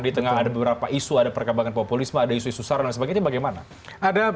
di tengah ada beberapa isu ada perkembangan populisme ada isu isu sara dan sebagainya bagaimana